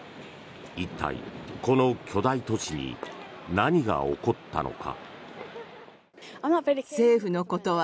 一体、この巨大都市に何が起こったのか。